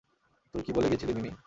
তুই কী বলে গিয়েছিলি, মিমি?